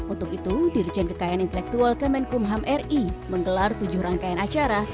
untuk itu dirjen kekayaan intelektual kemenkumham ri menggelar tujuh rangkaian acara